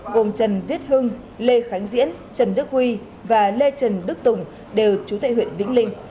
gồm trần viết hưng lê khánh diễn trần đức huy và lê trần đức tùng đều trú tại huyện vĩnh linh